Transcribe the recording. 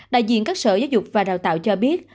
đại diện các sở giáo dục và đào tạo cho biết